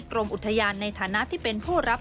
กรมอุทยานในฐานะที่เป็นผู้รับ